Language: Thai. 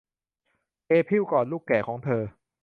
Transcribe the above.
เอพริลกอดลูกแกะของเธอ